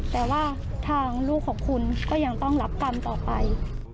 แต่ว่าทางลูกของคุณก็ยังต้องรับกรรมต่อไป